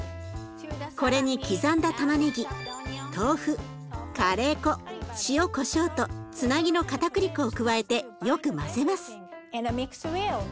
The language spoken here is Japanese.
これに刻んだたまねぎ豆腐カレー粉塩こしょうとつなぎのかたくり粉を加えてよく混ぜます。